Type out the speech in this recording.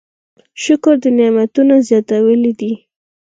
شکر د نعمتونو زیاتوالی دی.